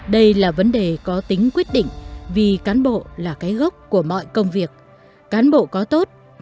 đây là vấn đề có tính quyết định vì cán bộ là cái gốc của mọi công việc cán bộ có tốt thì công việc mới tốt